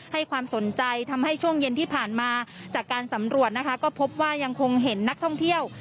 ให้ความสนใจทำให้ช่วงเย็นที่ผ่านมาจากการสำรวจนะคะก็พบว่ายังคงเห็นนักท่องเที่ยว